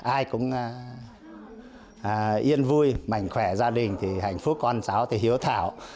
ai cũng yên vui mạnh khỏe gia đình thì hạnh phúc con cháu thì hiếu thảo